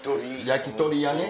焼き鳥屋ね